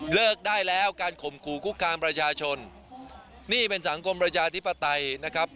เลิกได้แล้วการข่มขู่คุกคามประชาชนนี่เป็นสังคมประชาธิปไตยนะครับ